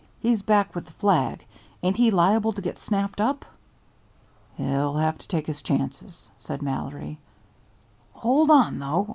"He's back with the flag. Ain't he liable to get snapped up?" "He'll have to take his chances," said Mallory. "Hold on, though.